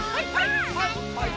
はいはい！